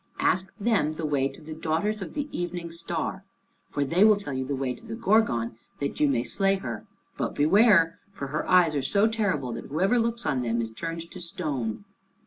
Ask them the way to the daughters of the Evening Star, for they will tell you the way to the Gorgon, that you may slay her. But beware! for her eyes are so terrible that whosoever looks on them is turned to stone."